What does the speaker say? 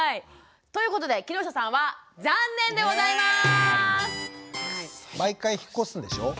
ということで木下さんは残念でございます！